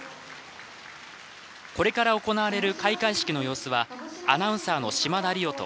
これから行われる開会式の様子はアナウンサーの島田莉生と。